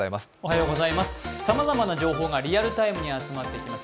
様々な情報がリアルタイムに集まってきます